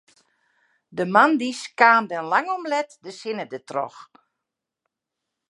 De moandeis kaam dan lang om let de sinne dertroch.